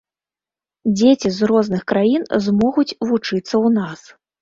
Дзеці з розных краін змогуць вучыцца ў нас.